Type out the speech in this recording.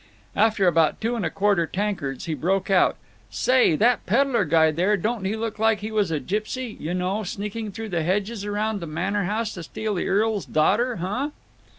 After about two and a quarter tankards he broke out, "Say, that peddler guy there, don't he look like he was a gipsy—you know—sneaking through the hedges around the manner house to steal the earl's daughter, huh?"